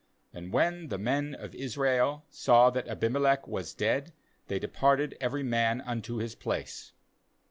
^And when the men of Israel saw that Abirn elech was dead, they departed every man unto his place.